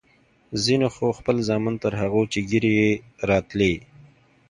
ځينو خو خپل زامن تر هغو چې ږيرې يې راتلې.